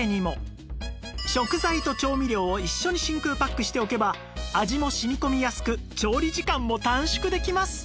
食材と調味料を一緒に真空パックしておけば味も染み込みやすく調理時間も短縮できます